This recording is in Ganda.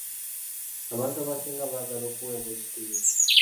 Abantu abasinga baagala okuweebwa ekitiibwa.